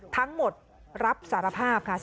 ทั้งหมดรับสารภาพค่ะ